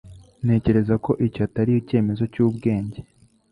Ntekereza ko icyo atari icyemezo cyubwenge.